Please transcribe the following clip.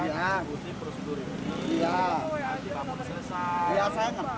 abang bilang ke tantik jalan